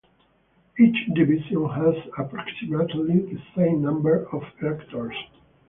Each division has approximately the same number of electors.